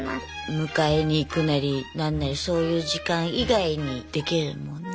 迎えに行くなり何なりそういう時間以外にできるもんね。